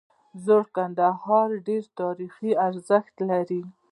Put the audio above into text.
زوړ کندهار ډیر تاریخي ارزښت لري